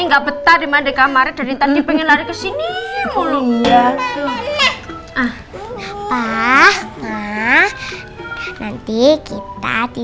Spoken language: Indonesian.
ga betah dimandang kamarnya dari tadi pengen lari ke sini ke sini